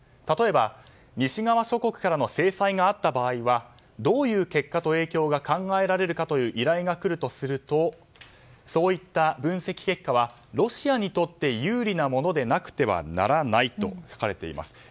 例えば西側諸国からの制裁があった場合はどういう結果と影響が考えられるかという依頼が来るとするとそういった分析結果はロシアにとって有利なものでなくてはならないと書かれています。